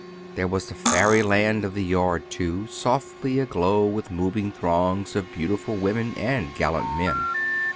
There was the Fairyland of the yard, too, softly aglow with moving throngs of beautiful women and gallant men.